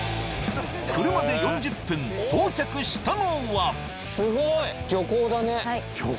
車で４０分到着したのはすごい！